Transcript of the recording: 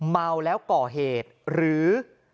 เมาแล้วก่อเหตุหรือ